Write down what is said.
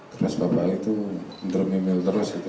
terus bapaknya itu menderimil terus gitu